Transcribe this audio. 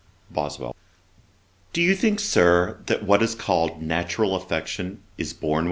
BOSWELL. 'Do you think, Sir, that what is called natural affection is born with us?